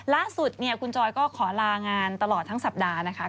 ล่าสุดเนี่ยคุณจอยก็ขอลางานตลอดทั้งสัปดาห์นะคะ